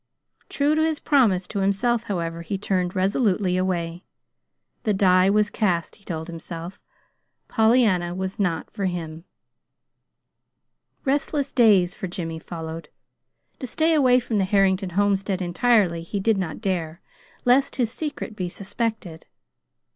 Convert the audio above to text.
True to his promise to himself, however, he turned resolutely away. The die was cast, he told himself. Pollyanna was not to be for him. Restless days for Jimmy followed. To stay away from the Harrington homestead entirely he did not dare, lest his secret be suspected.